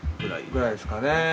ぐらいっすかね。